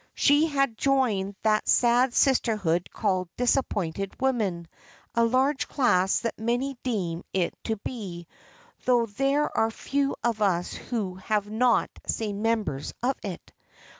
She had joined that sad sisterhood called disappointed women; a larger class than many deem it to be, though there are few of us who have not seen members of it.